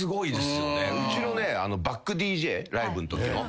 うちのバックＤＪライブんときの。